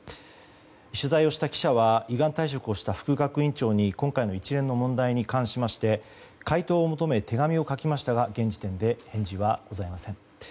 取材をした記者は依願退職をした副学院長に今回の一連の問題に関しまして回答を求め手紙を書きましたが現時点で返事はございません。